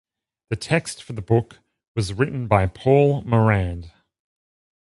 The text for the book was written by Paul Morand.